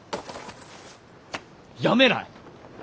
やめない！